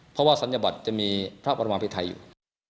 เพราะว่าศัลยบัตรจะมีพระบรมพิไทยอยู่